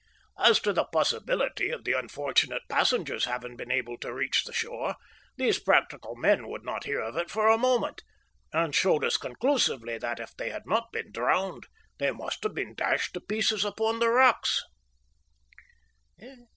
As to the possibility of the unfortunate passengers having been able to reach the shore, these practical men would not hear of it for a moment, and showed us conclusively that if they had not been drowned they must have been dashed to pieces upon the rocks.